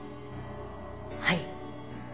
はい。